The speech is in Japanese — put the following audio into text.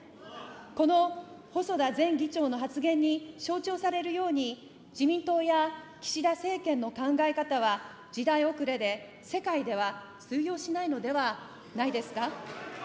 この細田前議長の発言に象徴されるように、自民党や岸田政権の考え方は時代遅れで、世界では通用しないのではないですか。